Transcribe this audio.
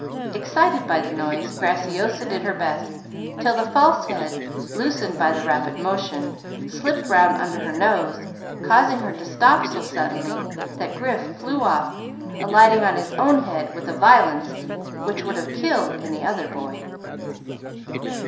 Excited by the noise, Graciosa did her best, till the false head, loosened by the rapid motion, slipped round under her nose, causing her to stop so suddenly that Grif flew off, alighting on his own head with a violence which would have killed any other boy.